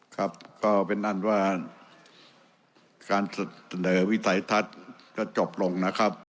ครับก็เป็นอันว่าการเสนอวิสัยทัศน์ก็จบลงนะครับ